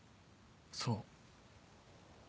そう。